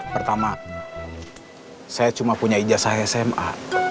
pertama saya cuma punya ijazah sma